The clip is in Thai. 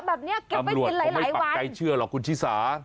เก็บไปกินหลายหลายวันอำรวจเขาไม่ปักใกล้เชื่อหรอกคุณชิสา